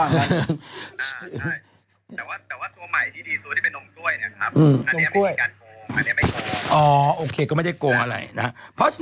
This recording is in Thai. ใช่แต่ว่าตัวใหม่ที่เป็นนมกล้วยใบเมริยากาลกลงใบนำไม่ดี